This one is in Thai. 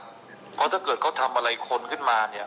เพราะถ้าเกิดเขาทำอะไรคนขึ้นมาเนี่ย